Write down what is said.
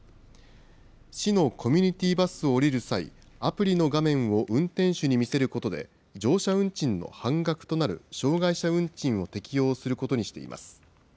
市のコミュニティバスを降りる際、アプリの画面を運転手に見せることで乗車運賃の半額となる障害者運賃を適用することにしています。